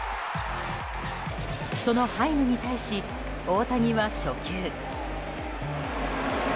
そのハイムに対し、大谷は初球。